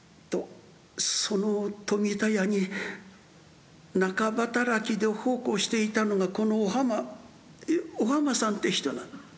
その富田屋に仲働きで奉公していたのがこのお浜お浜さんって人なの」。